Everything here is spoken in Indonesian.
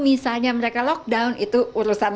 misalnya mereka lockdown itu urusan